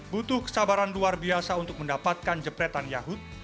butuh kesabaran luar biasa untuk mendapatkan jepretan yahut